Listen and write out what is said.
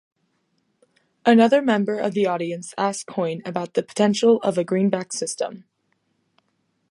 Another member of the audience asked Coin about the potential of a greenback system.